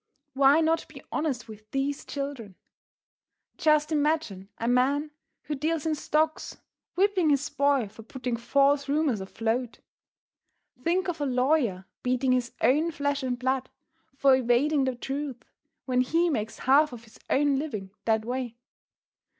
Why not be honest with these children? Just imagine a man who deals in stocks whipping his boy for putting false rumors afloat! Think of a lawyer beating his own flesh and blood for evading the truth when he makes half of his own living that way!